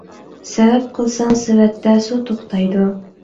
سەۋەب قىلساڭ سېۋەتتە سۇ توختايدۇ.